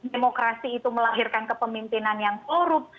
demokrasi itu melahirkan kepemimpinan yang korup